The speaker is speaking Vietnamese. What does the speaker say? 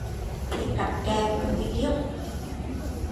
Đi cặp kê với người yêu